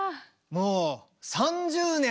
もう３０年！